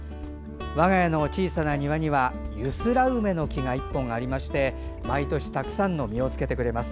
我が家の小さな庭にはユスラウメの木が１本ありまして毎年、たくさんの実をつけてくれます。